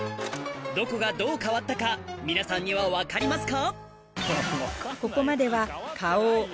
どこがどう変わったか皆さんには分かりますか？